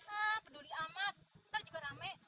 ah peduli amat nanti juga rame